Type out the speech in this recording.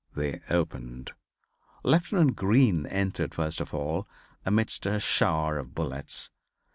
They opened. Lieutenant Green entered first of all amidst a shower of bullets.